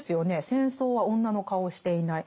「戦争は女の顔をしていない」。